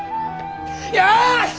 よし！